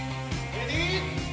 レディー。